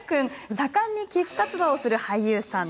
盛んに寄付活動をする俳優さん。